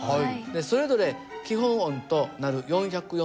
それぞれ基本音となる４４０